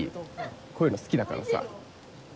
こういうの好きだからさ。